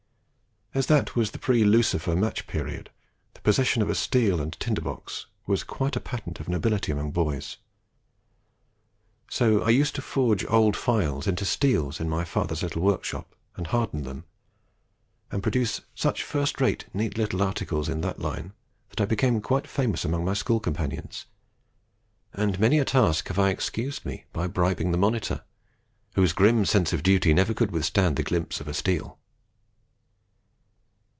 As that was the pre lucifer match period, the possession of a steel and tinder box was quite a patent of nobility among boys. So I used to forge old files into 'steels' in my father's little workshop, and harden them and produce such first rate, neat little articles in that line, that I became quite famous amongst my school companions; and many a task have I had excused me by bribing the monitor, whose grim sense of duty never could withstand the glimpse of a steel.